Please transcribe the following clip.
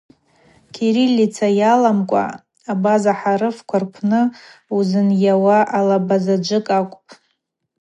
Кириллица йаламкӏва абаза хӏарыфква рпны узынйауа алабазаджвыкӏ акӏвпӏ.